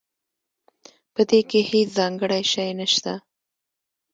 پدې کې هیڅ ځانګړی شی نشته